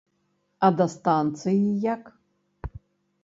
А да станцыі як?